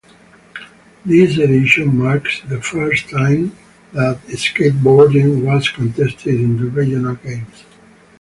This edition marks the first time that skateboarding was contested in the regional games.